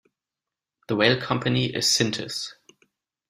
The rail company is Syntus.